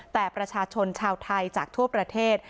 แต่ประชาชนชาวไทยจากทั่วประเทศ